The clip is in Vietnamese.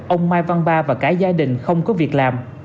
ông mai văn ba và cả gia đình không có việc làm